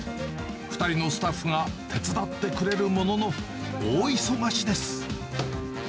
２人のスタッフが手伝ってくれるものの、大忙しです。